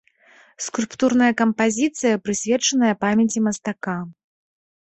Скульптурная кампазіцыя, прысвечаная памяці мастака.